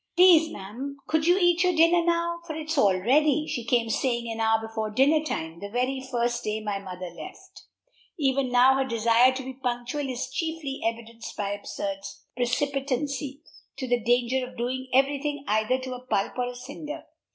"Please, 'm, could you eat your dinner now? for it's all ready," she came saying an hour before dinner time, the very first day after my mother left. Even now her desire to be punctual is chiefly evidenced by absurd precipitancy, to the danger of doing every thing either to a pulp or a cinder.